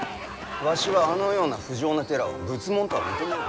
わしはあのような不浄な寺を仏門とは認めぬ。